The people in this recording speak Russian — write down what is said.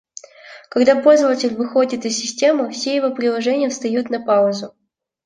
Когда пользователь выходит из системы, все его приложения встают на «паузу»